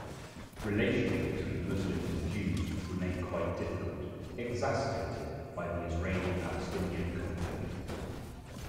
Relations between Muslims and Jews remain quite difficult, exacerbated by the Israeli-Palestinian conflict.